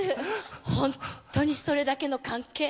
本当にそれだけの関係？